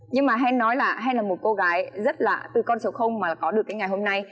nhưng mà hay nói là hay là một cô gái rất là từ con số mà có được cái ngày hôm nay